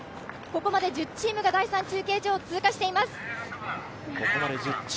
ここまで１０チームが第３中継所を通過しています。